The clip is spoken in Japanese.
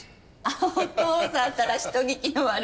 お父さんったら人聞きの悪い。